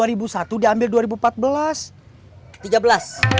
itu diambil dua ribu empat belas